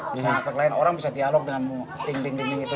bisa efek lain orang bisa dialog dengan dinding dinding itu